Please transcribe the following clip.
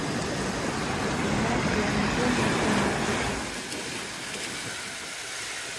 magat iam kiy ne ikimiti porto